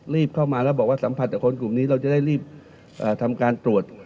เข้ามาแล้วบอกว่าสัมผัสกับคนกลุ่มนี้เราจะได้รีบทำการตรวจ